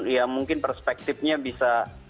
ya mungkin perspektifnya bisa